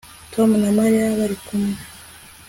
Tom na Mariya bari kumwe